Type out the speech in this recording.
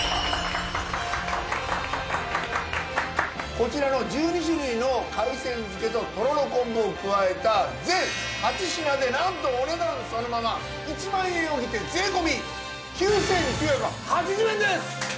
こちらの１２種類の海鮮漬ととろろ昆布を加えた全８品でなんとお値段そのまま１万円を切って税込。